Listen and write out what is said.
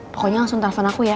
pokoknya langsung telepon aku ya